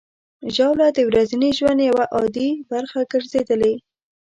ژاوله د ورځني ژوند یوه عادي برخه ګرځېدلې.